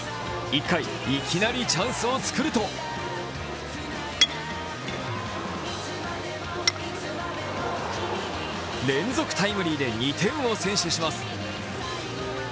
１回、いきなりチャンスを作ると連続タイムリーで２点を先取します。